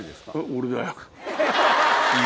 俺だよ。